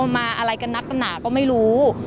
มาอะไรกันนักหนาก็ไม่รู้